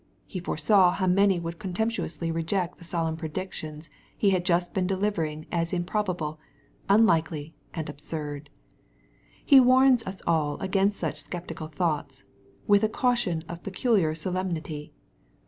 He foresaw how many would contempt uously reject the solemn predictions He had just been delivering as improbable, unlikely, and absurd. He warns us all against such sceptical thoughts, with a caution of peculiar solemnity.